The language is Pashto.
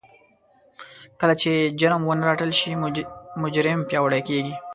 کله چې جرم ونه رټل شي مجرم پياوړی کېږي.